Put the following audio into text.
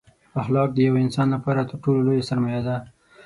اخلاق دیوه انسان لپاره تر ټولو لویه سرمایه ده